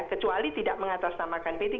kecuali tidak mengatasnamakan p tiga